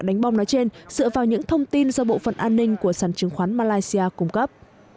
đánh bom nói trên dựa vào những thông tin do bộ phận an ninh của sản chứng khoán malaysia cung cấp